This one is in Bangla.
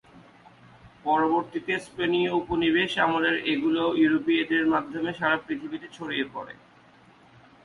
পরবর্তীতে স্পেনীয় উপনিবেশ আমলের এগুলো ইউরোপীয়দের মাধ্যমে সারা পৃথিবীতে ছড়িয়ে পড়ে।